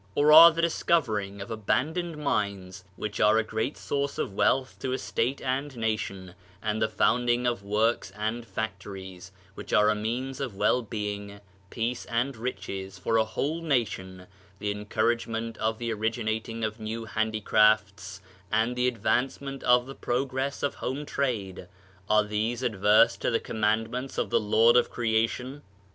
Or are the discovering of abandoned mines which are a great source of wealth to a state and nation, and the founding of works and fac tories, which are a means of well being, peace, and riches for a whole nation, the encouragement of the originating of new handicrafts, and the advancement of the progress of home trade — are these adverse to the commandments of the Lord of Creation?